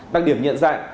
đặc điểm nhận dạng